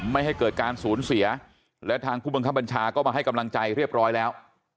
ไม่ให้เกิดการสูญเสียและทางผู้บังคับบัญชาก็มาให้กำลังใจเรียบร้อยแล้ว